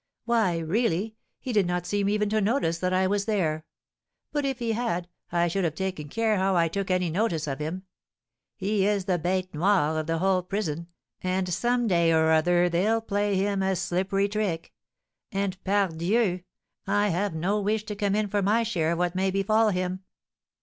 "Why, really, he did not seem even to notice that I was there; but, if he had, I should have taken care how I took any notice of him. He is the bête noire of the whole prison, and some day or other they'll play him a slippery trick; and, pardieu! I have no wish to come in for my share of what may befall him."